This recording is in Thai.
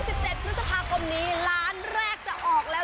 สิบเจ็ดพฤษภาคมนี้ล้านแรกจะออกแล้ว